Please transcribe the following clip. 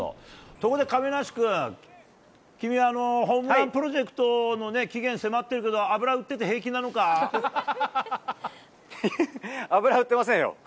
ところで亀梨君、君はホームランプロジェクトの期限、迫ってるけど、油売ってませんよ。